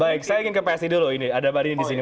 baik saya ingin ke psi dulu ini ada mbak dini di sini